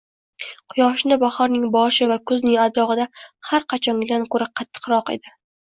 Quyoshni bahorning boshi va kuzning adog'ida har qachongidan ko'ra qattiqroq edi.